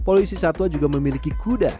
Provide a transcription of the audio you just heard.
polisi satwa juga memiliki kuda